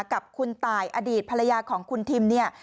กับคุณตายอดีตภรรยาของคุณทิมเนี่ย